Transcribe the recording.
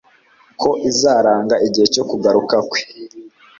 ko izaranga igihe cyo kugaruka kwe.